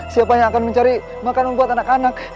siapa yang akan mencari makanan buat anak anak